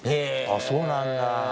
あっそうなんだ。